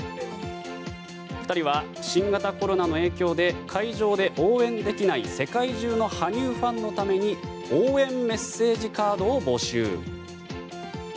２人は新型コロナの影響で会場で応援できない世界中の羽生ファンのために応援メッセージカードを募集。